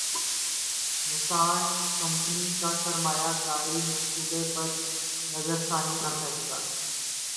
نسان company کا سرمایہ کاری منصوبے پر نظرثانی کا فیصلہ